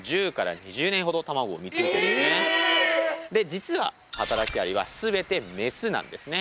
実ははたらきアリは全てメスなんですね。